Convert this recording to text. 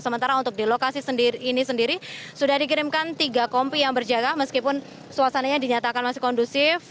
sementara untuk di lokasi ini sendiri sudah dikirimkan tiga kompi yang berjaga meskipun suasananya dinyatakan masih kondusif